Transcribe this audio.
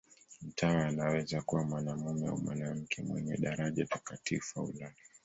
Mtawa anaweza kuwa mwanamume au mwanamke, mwenye daraja takatifu au la.